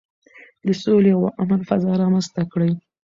د سولې او امن فضا رامنځته کړئ.